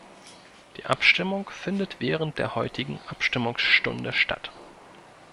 Die Abstimmung findet während der heutigen Abstimmungsstunde statt.